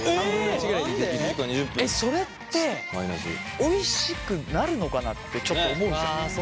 それっておいしくなるのかなってちょっと思うじゃない。